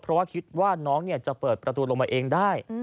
เพราะว่าคิดว่าน้องจะเปิดประตูลงมาเองได้